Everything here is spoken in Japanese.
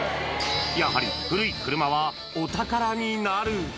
やはり古い車はお宝になる。